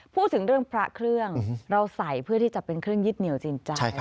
พูดถึงเรื่องพระเครื่องเราใส่เพื่อที่จะเป็นเครื่องยึดเหนียวจิตใจ